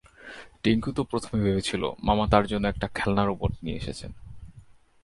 টিংকু তো প্রথমে ভেবেছিল, মামা তার জন্য একটা খেলনা রোবট নিয়ে এসেছেন।